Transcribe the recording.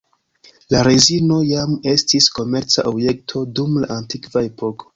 La rezino jam estis komerca objekto dum la Antikva epoko.